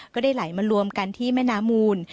ก็ได้ไหลมารวมกันที่แม่น้ำมูล